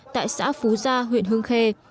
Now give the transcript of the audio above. tại xã phú gia huyện hương khê